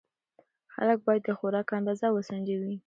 خلک باید د خوراک اندازه وسنجوي.